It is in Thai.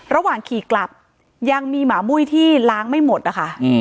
ระหว่างขี่กลับยังมีหมามุ้ยที่ล้างไม่หมดนะคะ